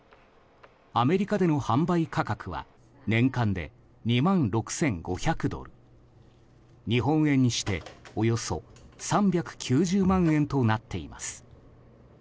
アメリカでの販売価格は年間で２万６５００ドル日本円にしておよそ３９０万円となっています。